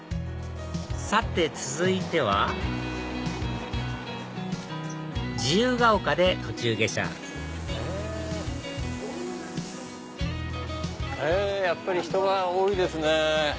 さて続いては自由が丘で途中下車やっぱり人が多いですね。